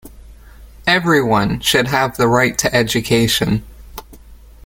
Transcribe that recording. Everyone should have the right to education.